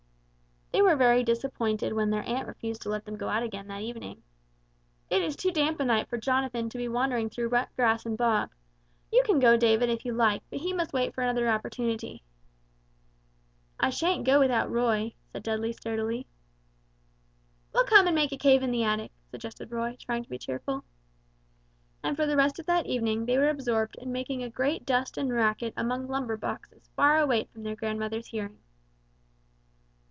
They were very disappointed when their aunt refused to let them go out again that evening. "It is too damp a night for Jonathan to be wandering through wet grass and bog. You can go, David, if you like, but he must wait for another opportunity." "I shan't go without Roy," said Dudley, sturdily. "We'll come and make a cave in the attic," suggested Roy, trying to be cheerful. And for the rest of that evening they were absorbed in making a great dust and racket amongst lumber boxes far away from their grandmother's hearing.